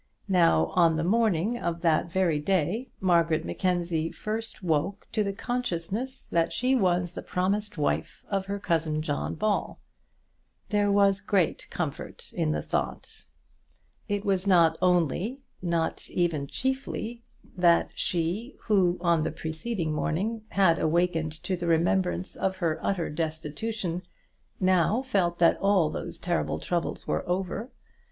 Now, on the morning of that very day Margaret Mackenzie first woke to the consciousness that she was the promised wife of her cousin John Ball. There was great comfort in the thought. It was not only, nor even chiefly, that she who, on the preceding morning, had awakened to the remembrance of her utter destitution, now felt that all those terrible troubles were over.